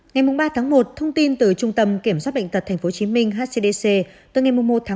ngày ba một thông tin từ trung tâm kiểm soát bệnh tật tp hcm hcdc từ ngày một một